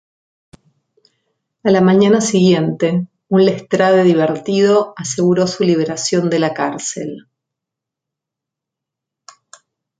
A la mañana siguiente, un Lestrade divertido aseguró su liberación de la cárcel.